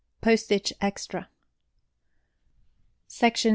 Postage extra. Section II.